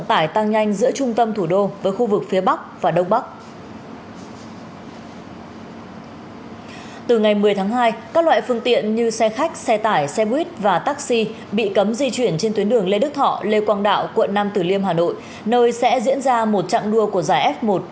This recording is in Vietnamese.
từ ngày một mươi tháng hai các loại phương tiện như xe khách xe tải xe buýt và taxi bị cấm di chuyển trên tuyến đường lê đức thọ lê quang đạo quận nam tử liêm hà nội nơi sẽ diễn ra một trạng đua của giải f một